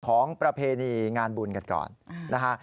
ประเพณีงานบุญกันก่อนนะฮะ